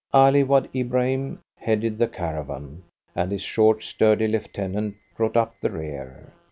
Ali Wad Ibrahim headed the caravan, and his short, sturdy lieutenant brought up the rear.